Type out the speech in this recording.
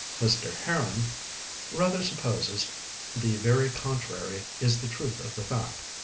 Mr. Heron "rather supposes the very contrary is the truth of the fact.